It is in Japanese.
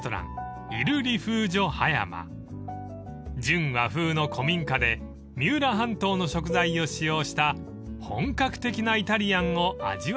［純和風の古民家で三浦半島の食材を使用した本格的なイタリアンを味わうことができます］